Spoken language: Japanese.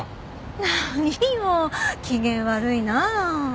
何よ機嫌悪いなあ。